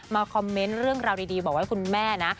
คอมเมนต์เรื่องราวดีบอกให้คุณแม่นะ